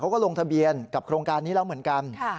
ก็ลงทะเบียนกับโครงการนี้แล้วเหมือนกัน